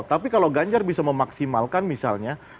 tapi kalau ganjar bisa memaksimalkan misalnya